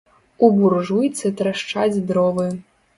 У буржуйцы трашчаць дровы.